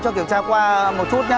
không biết là gì đấy ạ